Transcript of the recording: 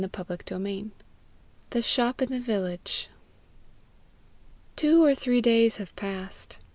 CHAPTER IV. THE SHOP IN THE VILLAGE. Two or three days have passed.